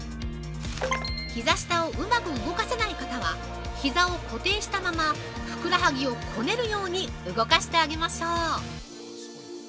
◆膝下をうまく動かせない方は、膝を固定したまま、ふくらはぎをこねるように動かしてあげましょう。